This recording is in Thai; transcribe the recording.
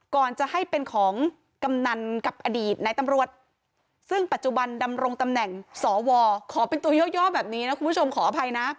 ก่อนจะให้เป็นของกำนันกับอดีตในตำรวจซึ่งปัจจุบันดำรงตำแหน่งสวขอเป็นตัวย่อแบบนี้นะคุณผู้ชมขออภัยนะ